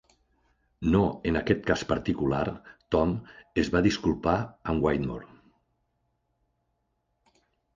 No en aquest cas particular, Tom, es va disculpar amb Whittemore.